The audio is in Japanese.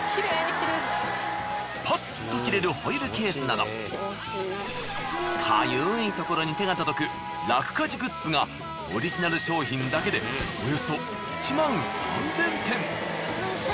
スパッと切れるホイルケースなどかゆいところに手が届く楽カジグッズがオリジナル商品だけでおよそ１万３，０００点。